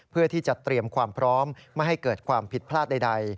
เพื่อที่จะเตรียมความพร้อมไม่ให้เกิดความผิดพลาดใด